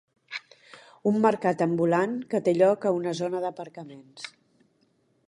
Un mercat ambulant que té lloc a una zona d'aparcaments.